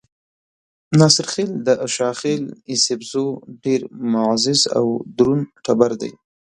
ناصرخېل د اشاخېل ايسپزو ډېر معزز او درون ټبر دے۔